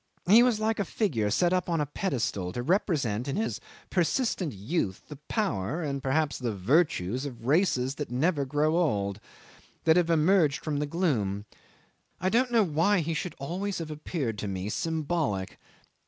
He was like a figure set up on a pedestal, to represent in his persistent youth the power, and perhaps the virtues, of races that never grow old, that have emerged from the gloom. I don't know why he should always have appeared to me symbolic.